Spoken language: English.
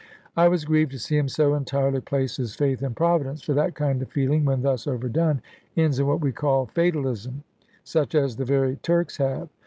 I was grieved to see him so entirely place his faith in Providence, for that kind of feeling (when thus overdone) ends in what we call "fatalism," such as the very Turks have.